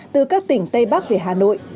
từ các tỉnh tây bắc về hà nội